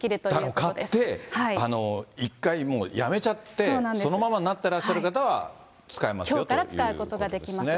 だから買って、１回もうやめちゃって、そのままになってらっしゃる方は、きょうから使うことができます。